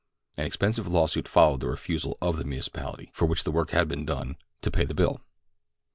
An expensive lawsuit followed the refusal of the municipality, for which the work had been done, to pay the bill.